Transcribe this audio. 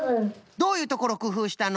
どういうところくふうしたの？